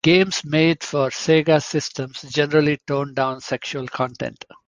Games made for Sega systems generally toned down sexual content.